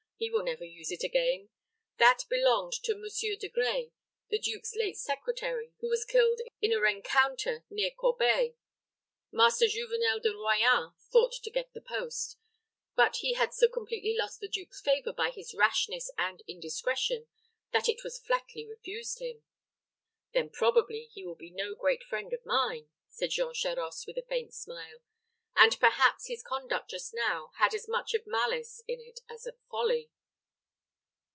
he will never use it again. That belonged to Monsieur De Gray, the duke's late secretary, who was killed in a rencounter near Corbeil. Master Juvenel de Royans thought to get the post, but he had so completely lost the duke's favor by his rashness and indiscretion, that it was flatly refused him. "Then probably he will be no great friend of mine," said Jean Charost, with a faint smile; "and perhaps his conduct just now had as much of malice in it as of folly."